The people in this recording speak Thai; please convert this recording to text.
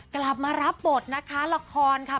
กลับมารับบทนะคะละครค่ะ